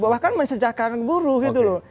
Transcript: bahkan mensejahkan buruh gitu loh